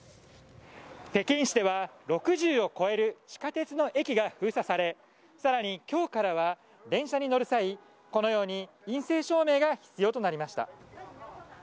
北京市では６０を超える地下鉄の駅が封鎖され更に、今日からは電車に乗る際陰性証明が必要となりました。